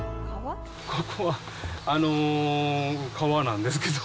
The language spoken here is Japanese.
ここは川なんですけど。